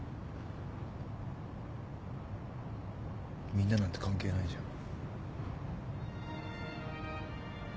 みんななんて関係ないじゃん。